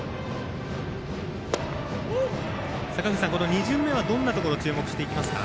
２巡目はどんなところを注目していきますか。